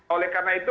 oleh karena itu